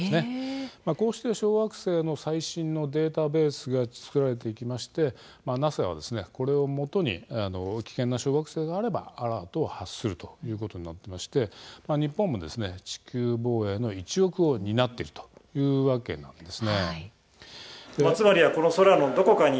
こうして小惑星の最新のデータベースが作られＮＡＳＡはこれをもとに危険な小惑星があればアラートを発するという仕組みになっていまして日本も地球防衛の一翼を担っているというわけです。